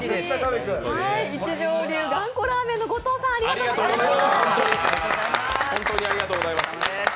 一条流がんこラーメンの後藤さんありがとうございました。